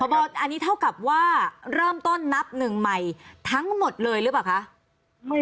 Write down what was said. อันนี้เท่ากับว่าเริ่มต้นนับหนึ่งใหม่ทั้งหมดเลยหรือเปล่าคะ